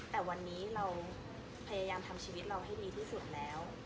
แต่วันนี้เราพยายามทำชีวิตเราให้ดีที่สุดแล้ว